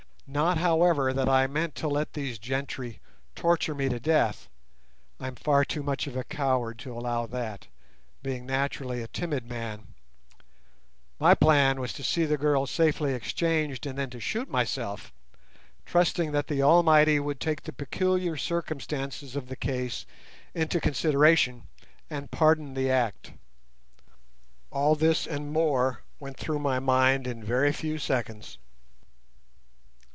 Not, however, that I meant to let these gentry torture me to death—I am far too much of a coward to allow that, being naturally a timid man; my plan was to see the girl safely exchanged and then to shoot myself, trusting that the Almighty would take the peculiar circumstances of the case into consideration and pardon the act. All this and more went through my mind in very few seconds.